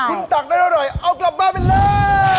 คุณตักได้อร่อยเอากลับบ้านไปเลย